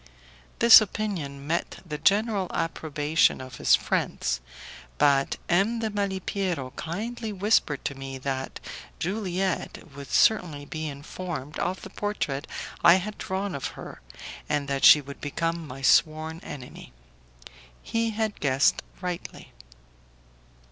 This opinion met the general approbation of his friends, but M. de Malipiero kindly whispered to me that Juliette would certainly be informed of the portrait I had drawn of her, and that she would become my sworn enemy. He had guessed rightly.